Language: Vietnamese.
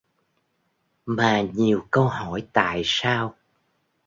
mà nhiều câu hỏi tại sao